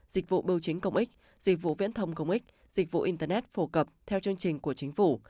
dịch vụ bưu chính công ích dịch vụ viễn thông công ích dịch vụ internet phổ cập theo chương trình của chính phủ